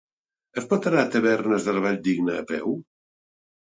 Es pot anar a Tavernes de la Valldigna a peu?